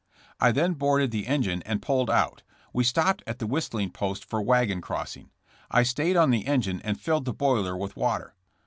*'I then boarded the engine and pulled out. We stopped at the whistling post for wagon crossing. I stayed on the engine and filled the toiler with water.